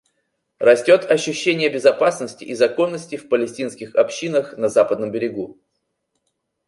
Растет ощущение безопасности и законности в палестинских общинах на Западном берегу.